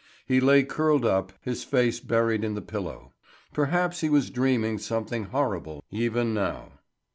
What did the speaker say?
He lay curled up, his face buried in the pillow. Perhaps he was dreaming something horrible even now.